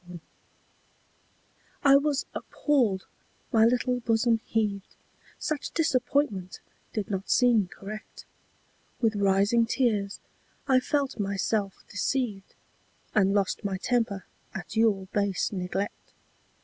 26 A VALENTINE I was appalled my little bosom heaved Such disappointment did not seem correct. With rising tears I felt myself deceived And lost my temper at your base neglect.